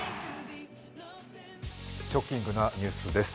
ショッキングなニュースです。